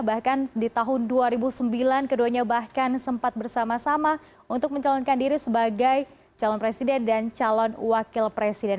bahkan di tahun dua ribu sembilan keduanya bahkan sempat bersama sama untuk mencalonkan diri sebagai calon presiden dan calon wakil presiden